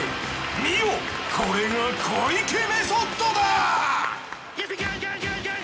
［見よ！これが小池メソッドだ！］